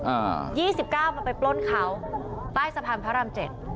อ่ายี่สิบเก้ามันไปปล้นเขาใต้สะพานพระรามเจ็ด